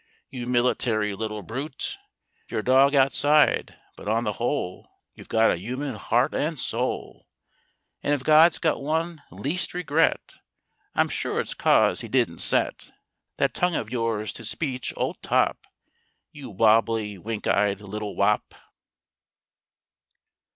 You military little brute, You're dog outside but on the whole You've got a human heart and soul And if God's got one least regret I'm sure it's cause he didn't set That tongue of yours to speech, old top— You wobbly, wink eyed little wop!